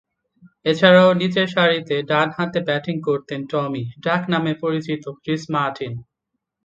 এছাড়াও নিচেরসারিতে ডানহাতে ব্যাটিং করতেন ‘টমি’ ডাকনামে পরিচিত ক্রিস মার্টিন।